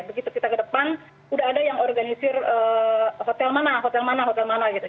begitu kita ke depan sudah ada yang organisir hotel mana hotel mana hotel mana gitu